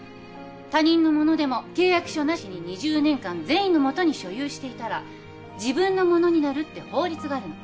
他人の物でも契約書なしに２０年間善意のもとに所有していたら自分の物になるって法律があるの。